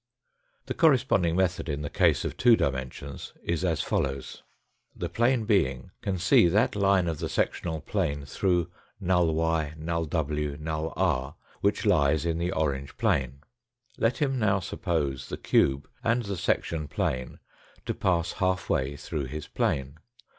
The corresponding method in the case of two dimen sions is as follows : The plane being can see that line of the sectional plane through null y, null iv, null r, which lies in the orange plane. Let him now suppose the cube and the section plane to pass half way through his plane.